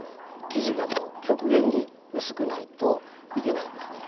木地が極限に薄くないといけないんですね。